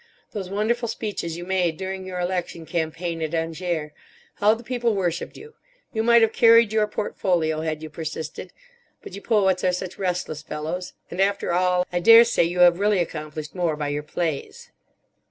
Those wonderful speeches you made during your election campaign at Angers. How the people worshipped you! You might have carried your portfolio had you persisted. But you poets are such restless fellows. And after all, I daresay you have really accomplished more by your plays.